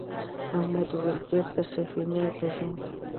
احمد وویل بېرته سفینې ته ځو.